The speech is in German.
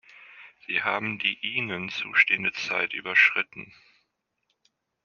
Sie haben die Ihnen zustehende Zeit überschritten.